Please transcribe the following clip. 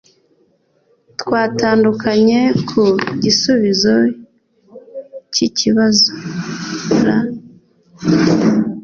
Twatandukanye ku gisubizo cyikibazo.ra.